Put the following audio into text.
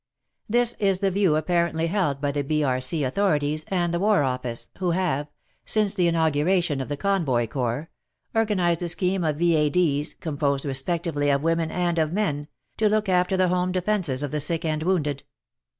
This is the view apparently held by the B.R.C. authorities and the War Ofifice, who have — since the inaugura tion of the Convoy Corps — organized a scheme of V.A.D. s composed respectively of women and of men, to look after the home defences of the sick and wounded.